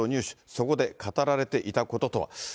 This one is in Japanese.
そこで語られていたこととは。